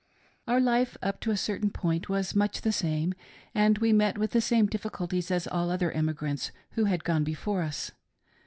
" Our life up to a certain point was much the same, and we met with the same difficulties as all other emigrants who had gone before us.